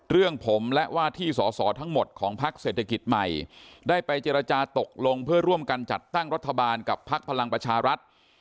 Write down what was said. เรื่องผมและว่าที่สอสอทั้งหมดของพักเศรษฐกิจใหม่ได้ไปเจรจาตกลงเพื่อร่วมกันจัดตั้งรัฐบาลกับพักพลังประชารัฐ